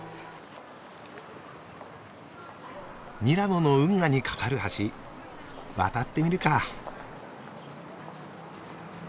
ミラノの運河に架かる橋渡ってみるか。